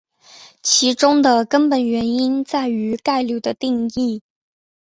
其中的根本原因在于概率的定义。